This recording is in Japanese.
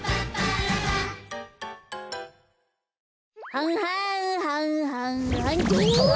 はんはんはんはんはんどわ！